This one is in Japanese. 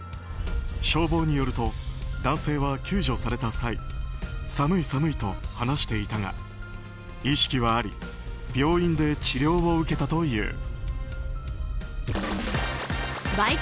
消防によると男性は救助された際寒い寒いと話していたが意識はあり病院で治療を受けたという。